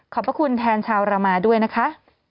พระคุณแทนชาวรามาด้วยนะคะ